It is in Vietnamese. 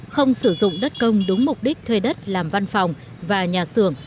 không sử dụng đất công đúng mục đích thuê đất làm văn phòng và nhà xưởng